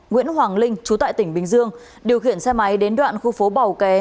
nguyễn hoàng linh trú tại tỉnh bình dương điều khiển xe máy đến đoạn khu phố bầu ké